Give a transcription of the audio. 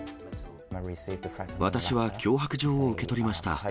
私は脅迫状を受け取りました。